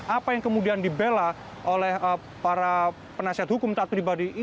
apa yang kemudian dibela oleh para penasihat hukum taat pribadi